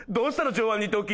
上腕二頭筋。